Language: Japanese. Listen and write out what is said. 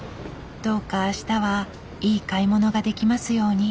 どうかあしたはいい買い物ができますように。